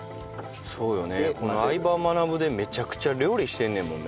この『相葉マナブ』でめちゃくちゃ料理してんねんもんね。